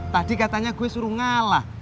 tadi katanya gue suruh ngalah